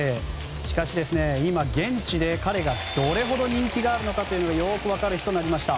しかし今、現地で彼がどれほど人気があるのかがよく分かる日となりました。